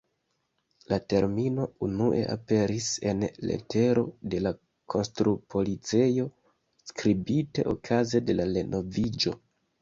La termino unue aperis en letero de la konstrupolicejo skribite okaze de la renoviĝo.